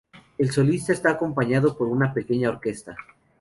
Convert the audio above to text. El solista está acompañado por una pequeña orquesta.